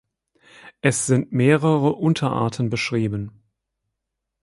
Es sind mehrere Unterarten beschrieben.